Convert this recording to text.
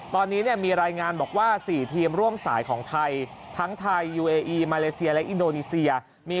ตอนนี้มีรายงานบอกว่า๔ทีมร่วมสายของไทย